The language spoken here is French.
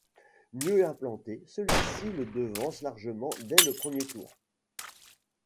Mieux implanté, celui-ci le devance largement dès le premier tour.